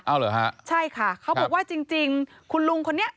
เอาเหรอฮะใช่ค่ะเขาบอกว่าจริงจริงคุณลุงคนนี้